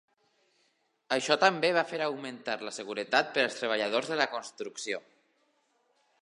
Això també va fer augmentar la seguretat per als treballadors de la construcció.